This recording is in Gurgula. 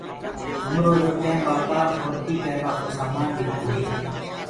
همرو ايرو ٽيم وآپآر اورتي پيروآ ڪو سآمآن ٻيڪوو هي